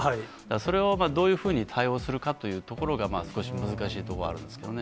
それをどういうふうに対応するかというところが、少し難しいところがあるんですけどね。